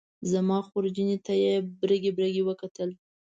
زما خورجینې ته یې برګې برګې وکتل.